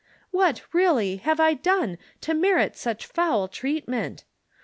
"Wliat, really, have I done to merit such foul treat ment